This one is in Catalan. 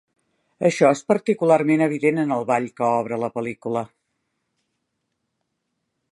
Això és particularment evident en el ball que obre la pel·lícula.